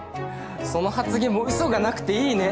その発言も嘘がなくていいね。